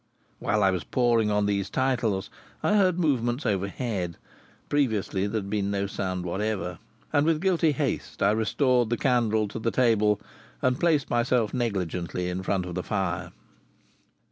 While I was poring on these titles I heard movements overhead previously there had been no sound whatever and with guilty haste I restored the candle to the table and placed myself negligently in front of the fire.